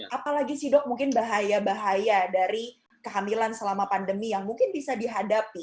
apalagi sih dok mungkin bahaya bahaya dari kehamilan selama pandemi yang mungkin bisa dihadapi